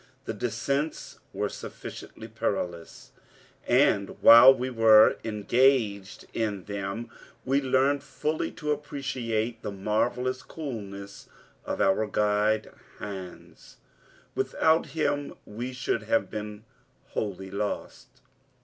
The descents were sufficiently perilous, and while we were engaged in them we learned fully to appreciate the marvelous coolness of our guide, Hans. Without him we should have been wholly lost.